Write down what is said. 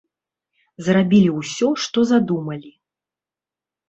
Зрабілі ўсё, што задумалі.